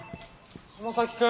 浜崎君？